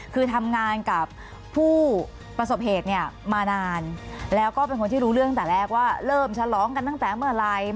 คือทำงานกับผู้ประสบเหตุเนี่ยมานานแล้วก็เป็นคนที่รู้เรื่องตั้งแต่แรกว่าเริ่มฉลองกันตั้งแต่เมื่อไหร่